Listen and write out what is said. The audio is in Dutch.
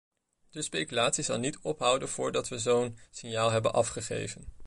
De speculatie zal niet ophouden voordat we zo'n signaal hebben afgegeven.